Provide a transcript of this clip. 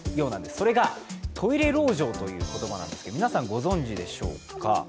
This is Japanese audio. それがトイレ籠城という言葉なんですけど、皆さんご存じでしょうか？